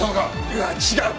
いや違う！